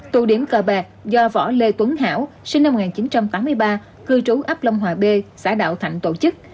tụ điểm cờ bạc do võ lê tuấn hảo sinh năm một nghìn chín trăm tám mươi ba cư trú ấp lâm hòa b xã đạo thạnh tổ chức